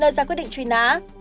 nơi ra quyết định trùy ná